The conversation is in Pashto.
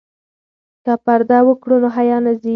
که پرده وکړو نو حیا نه ځي.